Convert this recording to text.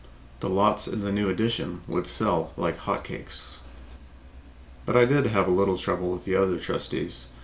The lots in the new addition would sell like hot cakes. But I did have a little trouble with the other trustees.